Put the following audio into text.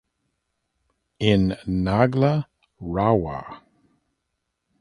In Nagla Rawa.